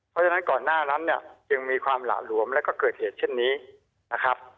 เพราะฉะนั้นก่อนหน้านั้นเนี่ยจึงมีความหละหลวมแล้วก็เกิดเหตุเช่นนี้นะครับ